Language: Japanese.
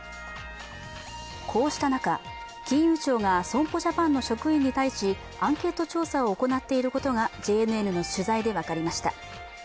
こうした中、金融庁が損保ジャパンの職員に対しアンケート調査を行っていることがＪＮＮの取材で分かりました。